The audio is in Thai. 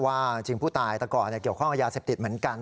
จริงผู้ตายแต่ก่อนเกี่ยวข้องกับยาเสพติดเหมือนกัน